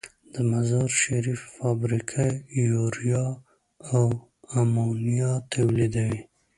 د مزارشریف فابریکه یوریا او امونیا تولیدوي.